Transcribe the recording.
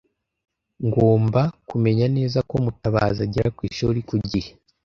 Ngomba kumenya neza ko Mutabazi agera ku ishuri ku gihe.